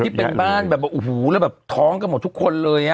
นี่เป็นบ้านแบบว่าโอ้โหแล้วแบบท้องกันหมดทุกคนเลย